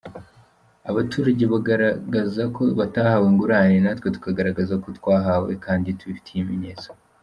Abaturage bagaragaza ko batahawe ingurane natwe tukagaragaza ko twahawe kandi tubifitiye ibimenyetso.